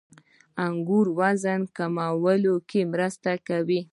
• انګور وزن کمولو کې مرسته کوي.